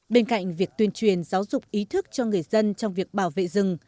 bên cạnh việc tuyên truyền giáo dục ý thức cho người dân trong việc bảo vệ rừng